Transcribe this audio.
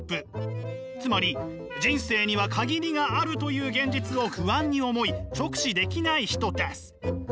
つまり人生には限りがあるという現実を不安に思い直視できない人です。